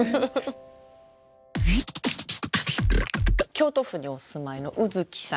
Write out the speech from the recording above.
京都府にお住まいの卯月さん。